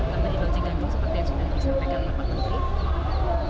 tapi di locikandung seperti yang sudah disampaikan oleh pak menteri